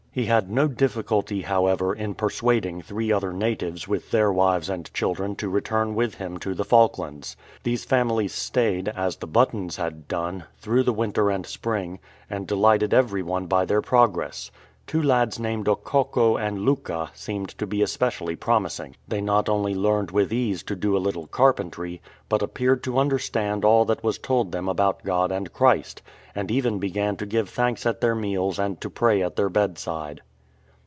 He had no difficulty, however, in persuading three other natives with 96o A DISASTROUS ENTERPRISE their wives and children to return with him to the Fiilklands. These families stayed, as the Bu ttons had done, through the winter and spring, and delighted every one by their progress. Two lads named Okokko and Lucca seemed to be especially promising. They not only learned with ease to do a little carpentry, but appeared to understand all that was told them about God and Christ, and even began to give thanks at their meals and to pray at their bedside.